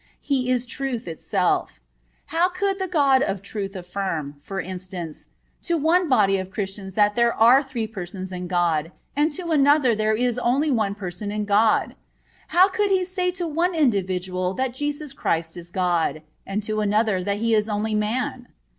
He is Truth itself. How could the God of truth affirm, for instance, to one body of Christians that there are three persons in God, and to another there is only one person in God? How could He say to one individual that Jesus Christ is God, and to another that He is only man?